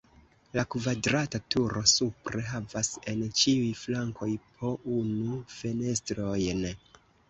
La kvadrata turo supre havas en ĉiuj flankoj po unu fenestrojn.